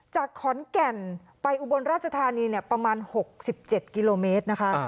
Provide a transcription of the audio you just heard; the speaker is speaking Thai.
จากขอนแก่นไปอุบลราชธานีเนี่ยประมาณหกสิบเจ็ดกิโลเมตรนะคะ